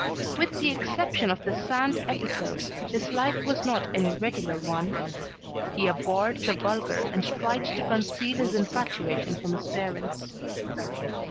With the exception of the Sand episode, his life was not an irregular one, He abhorred the vulgar and tried to conceal this infatuation from his parents.